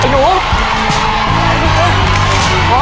เหลือไก่เทียมอีก๓ครับ